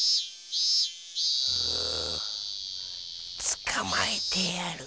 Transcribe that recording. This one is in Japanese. つかまえてやる。